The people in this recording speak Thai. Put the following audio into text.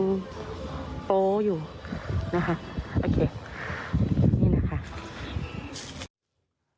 นี้นะคะ